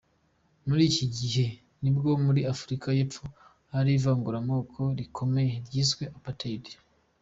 Muri iki gihe nibwo muri Afrika y’epfo hari ivanguramoko rikomeye ryiswe Apartheid.